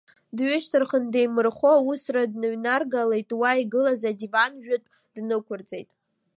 Дҩышьҭырхын, деимырххо асура дныҩнаргалеит, уа игылаз адиван жәытә днықәырҵеит.